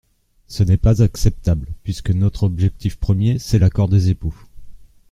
Ce n’est pas acceptable, puisque notre objectif premier, c’est l’accord des époux.